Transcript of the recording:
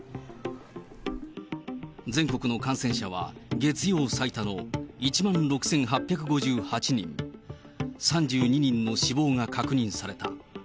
全国の感染者は、月曜最多の１万６８５８人、３２人の死亡が確認された。